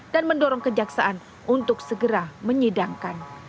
dan mendorong kejaksaan untuk segera menyidangkan